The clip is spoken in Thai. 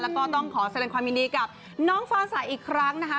แล้วก็ต้องขอแสดงความยินดีกับน้องฟ้าสายอีกครั้งนะคะ